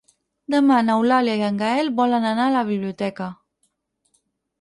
Demà n'Eulàlia i en Gaël volen anar a la biblioteca.